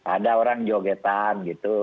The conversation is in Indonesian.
ada orang jogetan gitu